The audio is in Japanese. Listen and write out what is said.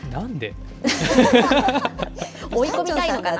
追い込みたいのかな。